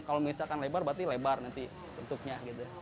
kalau misalkan lebar berarti lebar bentuknya